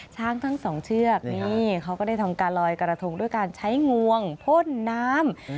ทั้งสองเชือกนี่เขาก็ได้ทำการลอยกระทงด้วยการใช้งวงพ่นน้ำ